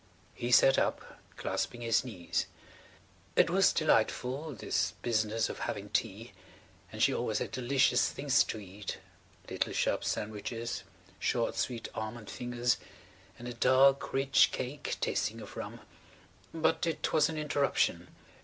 He sat up clasping his knees. It was delightful–this business of having tea–and she always had delicious things to eat–little sharp sandwiches, short sweet almond fingers, and a dark, rich cake tasting of rum–but it was an interruption.